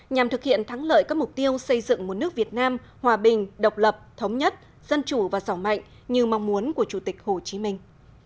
nhằm thực hiện thắng lợi các mục tiêu xây dựng một nước việt nam hòa bình độc lập thống nhất dân chủ và rõ mạnh như mong muốn của chủ tịch hồ chí minh